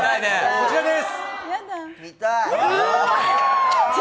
こちらです。